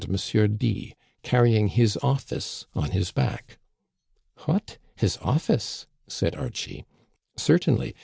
D , car rying his office on his back." " What ! His office }" said Archie. " Certainly.